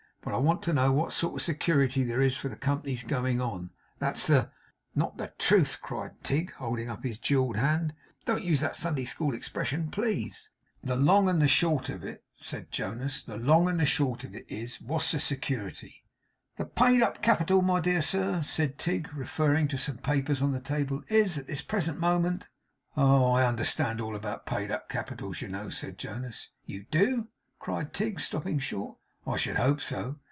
But I want to know what sort of security there is for the Company's going on. That's the ' 'Not the truth?' cried Tigg, holding up his jewelled hand. 'Don't use that Sunday School expression, please!' 'The long and the short of it,' said Jonas. 'The long and the short of it is, what's the security?' 'The paid up capital, my dear sir,' said Tigg, referring to some papers on the table, 'is, at this present moment ' 'Oh! I understand all about paid up capitals, you know,' said Jonas. 'You do?' cried Tigg, stopping short. 'I should hope so.